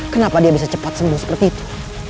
kenapa dia bisa cepat sembuh seperti itu